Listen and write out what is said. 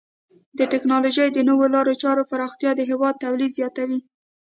د ټکنالوژۍ د نوو لارو چارو پراختیا د هیواد تولیداتو زیاتوي.